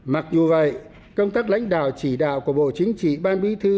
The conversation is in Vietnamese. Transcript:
mặc dù vậy công tác lãnh đạo chỉ đạo của bộ chính trị ban bí thư